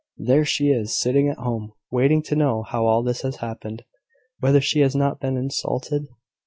There she is, sitting at home, waiting to know how all this has happened." "Whether she has not been insulted?